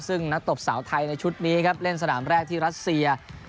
ซึ่งนักตบสาวไทยในชุดนี้ครับเล่นสนามแรกที่รัสเซีย